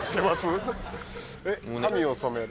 髪を染める。